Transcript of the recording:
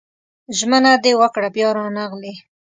ژمنه دې وکړه بيا رانغلې